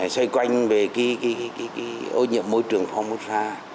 xoay quanh về ô nhiễm môi trường phong bức sa